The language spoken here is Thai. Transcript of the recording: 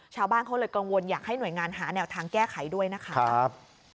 ชาวบ้านเขาเลยกังวลอยากให้หน่วยงานหาแนวทางแก้ไขด้วยนะคะ